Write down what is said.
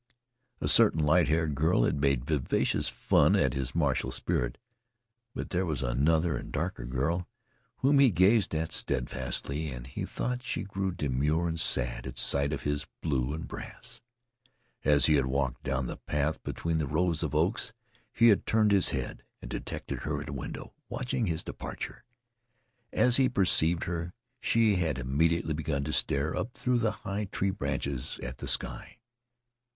A certain light haired girl had made vivacious fun at his martial spirit, but there was another and darker girl whom he had gazed at steadfastly, and he thought she grew demure and sad at sight of his blue and brass. As he had walked down the path between the rows of oaks, he had turned his head and detected her at a window watching his departure. As he perceived her, she had immediately begun to stare up through the high tree branches at the sky.